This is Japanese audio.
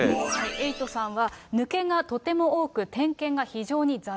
エイトさんは、抜けがとても多く、点検が非常に雑。